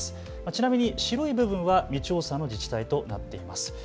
ちなみに白い部分は未調査の自治体となっています。